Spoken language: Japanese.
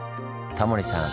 タモリさん